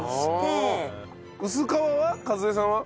薄皮は？